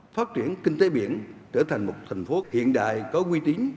phát triển kinh tế biển trở thành một thành phố hiện đại có quy tính